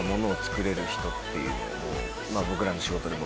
僕らの仕事でも。